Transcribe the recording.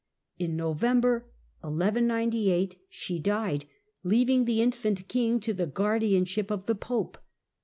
In November 1198 she died, leaving the infant king to the guardianship of the Pope.